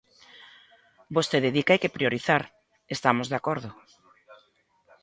Vostede di que hai que priorizar; estamos de acordo.